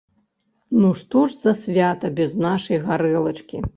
Ну што ж за свята без нашай гарэлачкі?